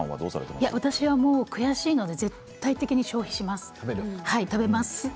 私は悔しいので絶対的に消費します。